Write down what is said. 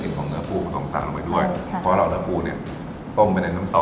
กลิ่นของเนื้อผู้ส้อมสาวไปด้วยเพราะเนื้อผู้ต้มไปในน้ำตอด